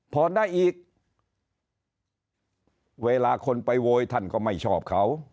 พอได้อีกเวลาคนไปโวยท่านก็ไม่ชอบเขา